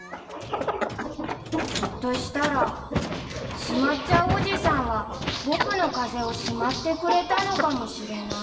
［ひょっとしたらしまっちゃうおじさんは僕の風邪をしまってくれたのかもしれない］